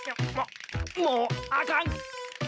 もうあかん